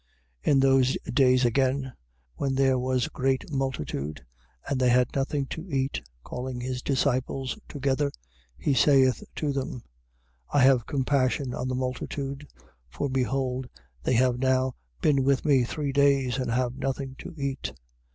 8:1. In those days again, when there was great multitude and they had nothing to eat; calling his disciples together, he saith to them: 8:2. I have compassion on the multitude, for behold they have now been with me three days and have nothing to eat.